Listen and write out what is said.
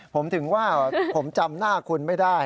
ผมถึงว่าผมจำหน้าคุณไม่ได้